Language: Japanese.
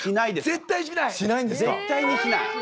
絶対にしない？